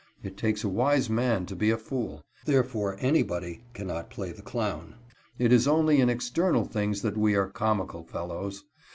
It takes a wise man to be a fool. Therefore anybody cannot play the clown. It is only in external things that we are "comical fellows."